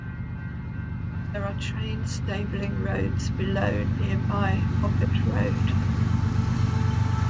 There are train stabling roads below nearby Hogart Road.